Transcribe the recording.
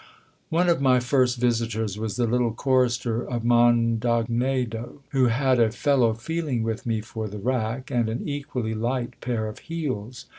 One of my first visitors was the little chorister of Mondognedo, who had a fellow feeling with me for the rack, and an equally light pair of heels.